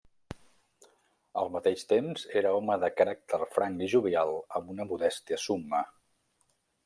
Al mateix temps era home de caràcter franc i jovial amb una modèstia summa.